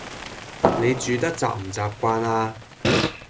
你住得習唔習慣呀